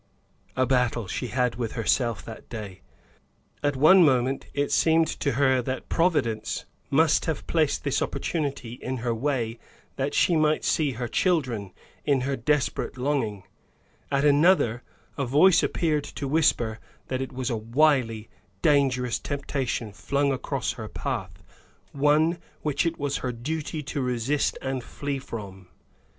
A battle she had with herself that day. At one moment it seemed to her that Providence must have placed this opportunity in her way that she might see her children, in her desperate longing; at another, a voice appeared to whisper that it was a wily, dangerous temptation flung across her path, one which it was her duty to resist and flee from.